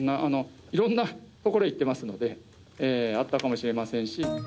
いろんな所行ってますので、あったかもしれませんし。